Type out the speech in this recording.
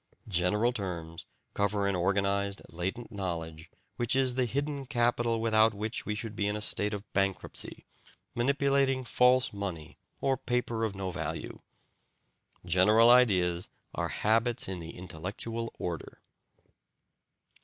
General terms cover an organized, latent knowledge which is the hidden capital without which we should be in a state of bankruptcy, manipulating false money or paper of no value. General ideas are habits in the intellectual order."